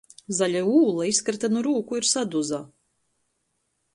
Zaļa ūla izkryta nu rūku i saduza.